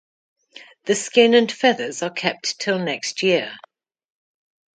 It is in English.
The skin and feathers are kept till next year.